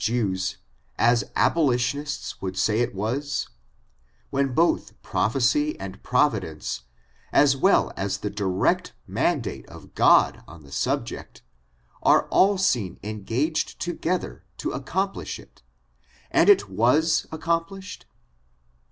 14S ists would say it was, when both prophesy and Prov idence, as well as the direct mandate of God on the subject, are all seen engaged tc^ether to accomplish it, and it was accomplished